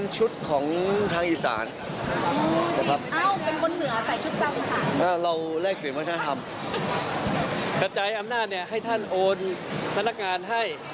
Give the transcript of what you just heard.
อ๋อคือท่านมันเองไปเข้าตัวไปเนี๊ยว